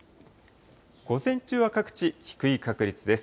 午前中は各地、低い確率です。